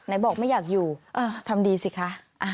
บอกไม่อยากอยู่ทำดีสิคะ